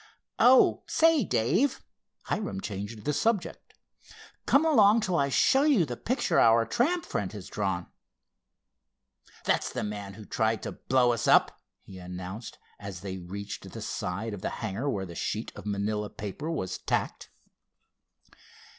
"Oh, say, Dave," Hiram changed the subject, "come along till I show you the picture our tramp friend has drawn. That's the man who tried to blow us up," he announced, as they reached the side of the hangar where the sheet of manilla paper was tacked.